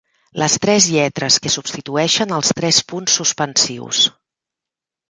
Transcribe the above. Les tres lletres que substitueixen els tres punts suspensius.